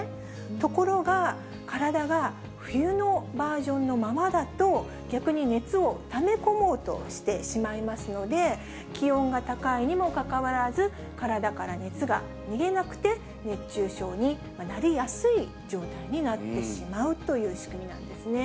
ところが、体が冬のバージョンのままだと、逆に熱をため込もうとしてしまいますので、気温が高いにもかかわらず、体から熱が逃げなくて、熱中症になりやすい状態になってしまうという仕組みなんですね。